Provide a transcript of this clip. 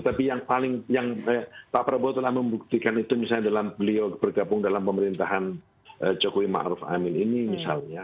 tapi yang pak prabowo telah membuktikan itu misalnya dalam beliau bergabung dalam pemerintahan jokowi ma'ruf amin ini misalnya